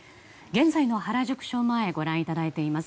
現在の原宿署前ご覧いただいています。